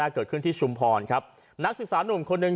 เกิดขึ้นที่ชุมพอร์นครับนักศึกษาหนูหนึ่ง